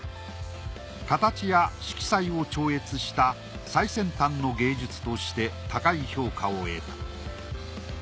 形や色彩を超越した最先端の芸術として高い評価を得た。